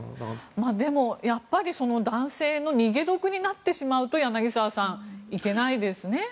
でも、やっぱり男性の逃げ得になってしまうと柳澤さん、いけないですね。